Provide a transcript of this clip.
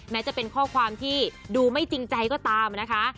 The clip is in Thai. จะเป็นข้อความที่ดูไม่จริงใจก็ตามนะคะ